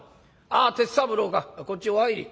ああ鉄三郎かこっちお入り。